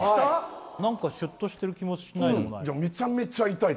何かシュッとしてる気もしないでもない